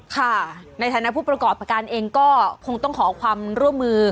ค่ะในฐานะผู้ประกอบการเองก็คงต้องขอความร่วมมือ